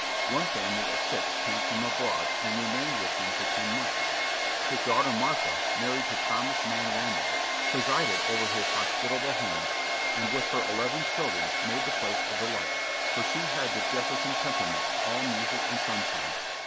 One family of six came from abroad, and remained with him for ten months. His daughter Martha, married to Thomas Mann Randolph, presided over his hospitable home, and with her eleven children made the place a delight, for she had "the Jefferson temperament all music and sunshine."